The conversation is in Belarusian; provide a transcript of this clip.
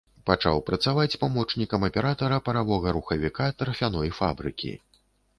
Пачаў працаваць памочнікам аператара паравога рухавіка тарфяной фабрыкі.